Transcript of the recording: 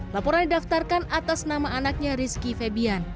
laporan didaftarkan atas nama anaknya rizky febian